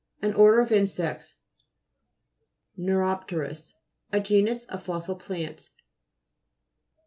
An order of insects NEURO'PTERIS A genus of fossil plants (p.